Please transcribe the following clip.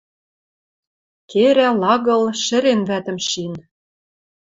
Керӓл, агыл — шӹрен вӓтӹм шин.